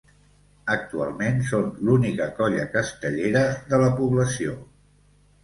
Actualment són l'única colla castellera de la població.